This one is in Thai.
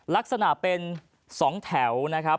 ลักษณะเป็น๒แถวนะครับ